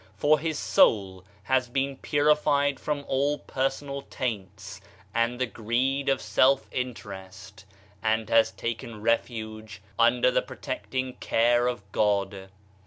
For his soul has been purified from all personal taints and the greed of self interest, and has taken refuge under the protecting care of God.